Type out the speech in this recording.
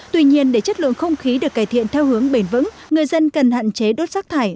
tuy nhiên để chất lượng không khí được cải thiện theo hướng bền vững người dân cần hạn chế đốt rác thải